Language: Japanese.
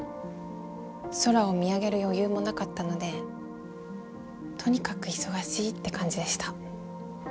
空を見上げる余裕もなかったのでとにかく忙しいって感じでした。